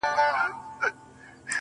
په موږ کي بند دی,